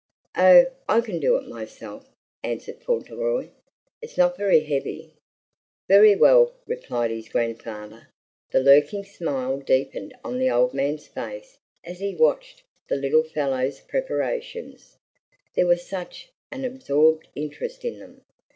"Oh, I can do it myself," answered Fauntleroy. "It's not very heavy." "Very well," replied his grandfather. The lurking smile deepened on the old man's face as he watched the little fellow's preparations; there was such an absorbed interest in them.